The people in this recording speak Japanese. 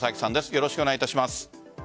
よろしくお願いします。